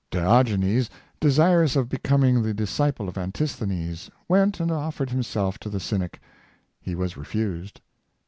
Diogenes, desirous of becoming the disci ple of Antisthenes, went and offered himself to the cynic. He was refused.